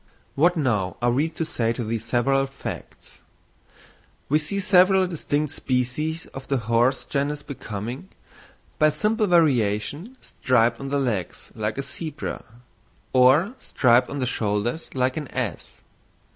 What now are we to say to these several facts? We see several distinct species of the horse genus becoming, by simple variation, striped on the legs like a zebra, or striped on the shoulders like an ass.